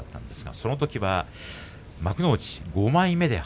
そのときは幕内５枚目でした。